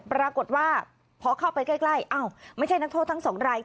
ปรากฏว่าพอเข้าไปใกล้อ้าวไม่ใช่นักโทษทั้งสองราย